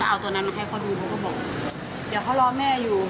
เอาตัวนั้นมาให้เขาดูเขาก็บอกเดี๋ยวเขารอแม่อยู่